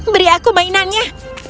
beri aku mainannya